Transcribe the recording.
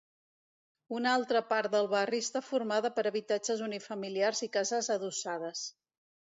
Una altra part del barri està formada per habitatges unifamiliars i cases adossades.